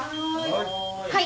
はい！